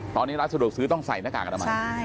ตอนนี้ร้านสะดวกซื้อต้องใส่หน้ากากอนามัย